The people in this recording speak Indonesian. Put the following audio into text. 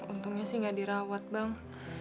untungnya sih nggak dirawat bang